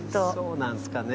そうなんですかね。